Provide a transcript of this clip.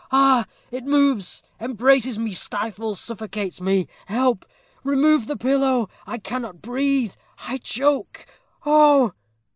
Ah! it moves, embraces me, stifles, suffocates me. Help! remove the pillow. I cannot breathe I choke oh!'